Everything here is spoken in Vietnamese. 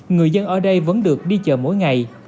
người dân ở đây vẫn được đi chợ mỗi ngày